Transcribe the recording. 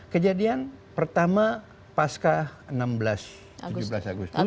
kejadian pertama pasca enam belas tujuh belas agustus